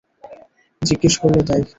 জিজ্ঞেস করল তাই।